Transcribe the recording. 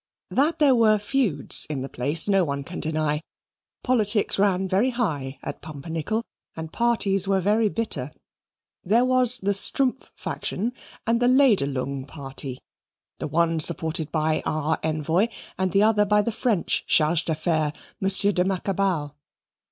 That there were feuds in the place, no one can deny. Politics ran very high at Pumpernickel, and parties were very bitter. There was the Strumpff faction and the Lederlung party, the one supported by our envoy and the other by the French Charge d'Affaires, M. de Macabau.